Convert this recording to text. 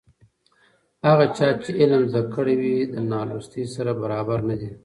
هغه چا چې علم زده کړی وي له نالوستي سره برابر نه دی.